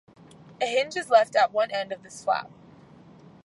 A hinge is left at one end of this flap.